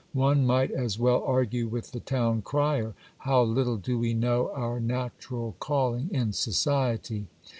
One might as well argue with the town crier. How little do we know our natural calling in society